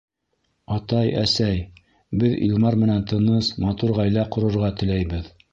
Атай, әсәй, беҙ Илмар менән тыныс, матур ғаилә ҡорорға теләйбеҙ.